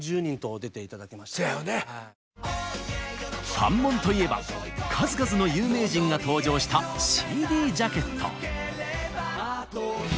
ファンモンといえば数々の有名人が登場したＣＤジャケット。